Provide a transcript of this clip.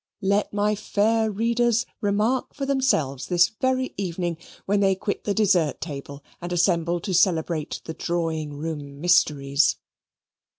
Let my fair readers remark for themselves this very evening when they quit the dessert table and assemble to celebrate the drawing room mysteries.